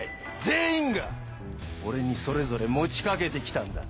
全員が俺にそれぞれ持ち掛けて来たんだ。